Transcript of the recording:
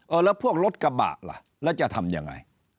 แล้วพวกรถกระบะล่ะแล้วจะทำยังไง